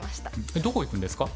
どこ行くんですか？